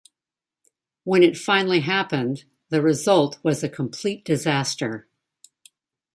When it finally happened, the result was a complete disaster.